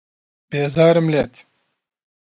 بێزارم لێت.